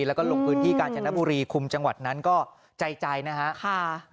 แล้วก็ลงพื้นที่กาญจนบุรีคุมจังหวัดนั้นก็ใจนะฮะ